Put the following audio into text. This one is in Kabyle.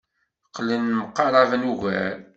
Qqlen mqaraben ugar.